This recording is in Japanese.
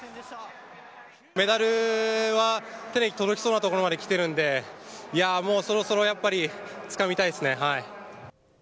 メダルは手に届きそうなところまで来てるんで、いやー、もうそろそろやっぱり、つかみたいですね。